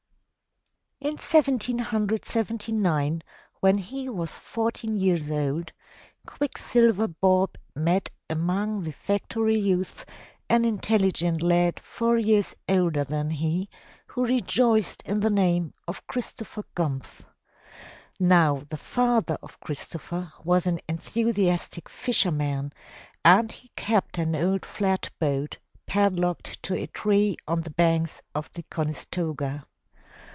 In 1779 when he was fourteen years old, Quicksilver Bob met among the factory youths an intelligent lad four years older than he who rejoiced in the name of Christopher Gumpf. Now the father of Christopher was an enthusiastic fisherman and he kept an old flat boat padlocked to a tree on the banks of the Conestoga.